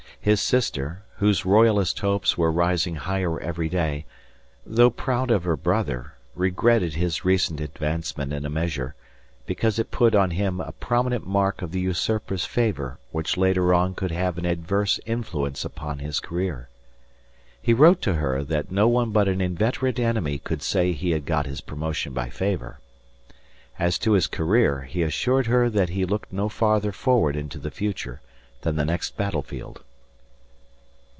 His sister, whose royalist hopes were rising higher every day, though proud of her brother, regretted his recent advancement in a measure, because it put on him a prominent mark of the usurper's favour which later on could have an adverse influence upon his career. He wrote to her that no one but an inveterate enemy could say he had got his promotion by favour. As to his career he assured her that he looked no farther forward into the future than the next battlefield.